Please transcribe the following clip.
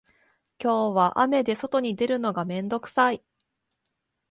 今日は雨で外に出るのが面倒くさい